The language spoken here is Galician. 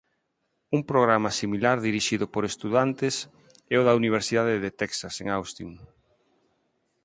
Un programa similar dirixido por estudantes é o da Universidade de Texas en Austin.